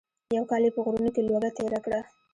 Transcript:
یو کال یې په غرونو کې لوږه تېره کړه.